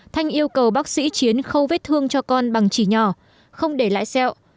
thanh yêu cầu bác sĩ chiến khâu vết thương cho con bằng chỉ nhỏ không để lại sẹo